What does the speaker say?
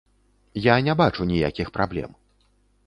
Я не бачу ніякіх праблем.